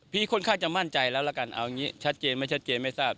ค่อนข้างจะมั่นใจแล้วละกันเอาอย่างนี้ชัดเจนไม่ชัดเจนไม่ทราบ